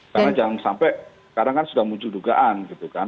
karena jangan sampai kadang kadang sudah muncul tugaan gitu kan